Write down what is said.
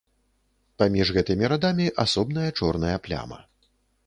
Паміж гэтымі радамі асобная чорная пляма.